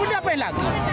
udah penuh lagi